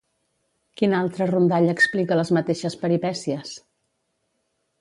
Quina altra rondalla explica les mateixes peripècies?